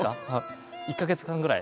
１か月間ぐらい。